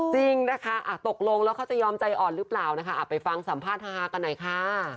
จริงนะคะตกลงแล้วเขาจะยอมใจอ่อนหรือเปล่านะคะไปฟังสัมภาษณ์ฮากันหน่อยค่ะ